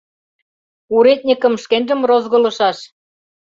— Уредньыкым шкенжым розгылышаш!